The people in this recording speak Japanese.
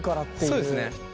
そうですね。